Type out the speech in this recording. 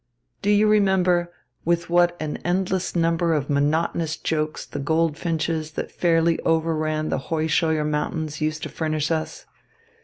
Do you remember with what an endless number of monotonous jokes the goldfinches that fairly overran the Heuscheuer Mountains used to furnish us?